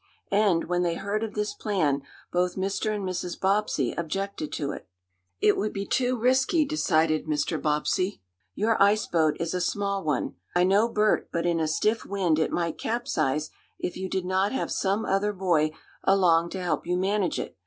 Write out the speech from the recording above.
And, when they heard of this plan, both Mr. and Mrs. Bobbsey objected to it. "It would be too risky," decided Mr. Bobbsey. "Your ice boat is a small one. I know, Bert, but in a stiff wind it might capsize if you did not have some other boy along to help you manage it.